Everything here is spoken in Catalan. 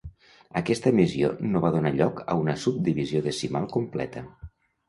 Aquesta emissió no va donar lloc a una subdivisió decimal completa.